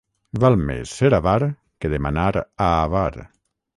Val més ser avar que demanar a avar.